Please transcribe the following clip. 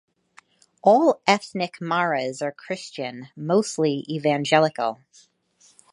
All ethnic Maras are Christian, mostly Evangelical.